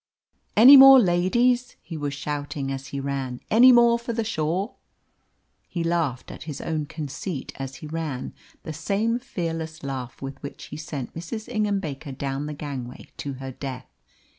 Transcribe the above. "Any more ladies?" he was shouting as he ran. "Any more for the shore?" He laughed at his own conceit as he ran the same fearless laugh with which he sent Mrs. Ingham Baker down the gangway to her death.